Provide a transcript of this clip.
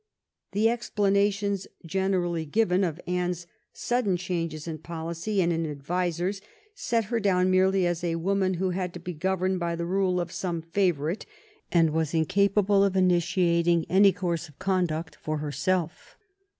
The ex planations generally given of Anne's sudden changes in policy and in advisers set her down merely as a woman who had to be governed by the rule of some favorite, and was incapable of initiating any course of conduct for herself.